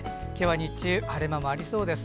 日中、晴れ間もありそうです。